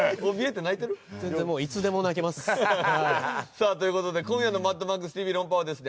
さあという事で今夜の『マッドマックスＴＶ論破王』はですね